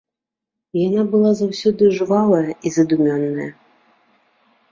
Яна была заўсёды жвавая і задумёная.